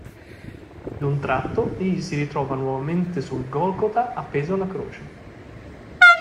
D'un tratto egli si ritrova nuovamente sul Golgota, appeso alla croce.